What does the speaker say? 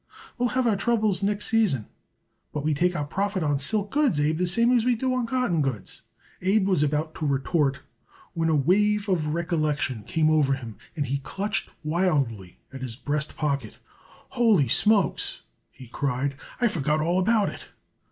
"We'll have our troubles next season, but we take our profit on silk goods, Abe, the same as we do on cotton goods." Abe was about to retort when a wave of recollection came over him, and he clutched wildly at his breast pocket. "Ho ly smokes!" he cried. "I forgot all about it."